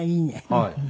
はい。